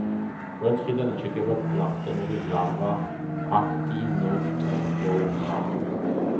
კვერცხიდან იჩეკება პლანქტონური ლარვა—აქტინოტროხა.